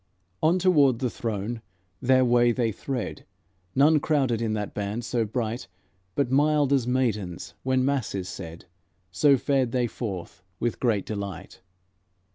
On toward the throne their way they thread, None crowded in that band so bright, But mild as maidens when mass is said, So fared they forth with great delight.